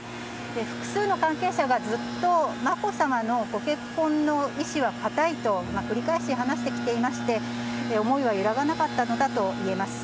複数の関係者が、ずっと眞子さまのご結婚の意思は固いと、繰り返し話してきていまして、思いは揺らがなかったのだといえます。